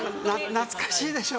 懐かしいでしょ。